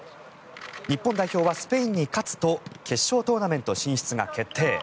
日本代表はスペインに勝つと決勝トーナメント進出が決定。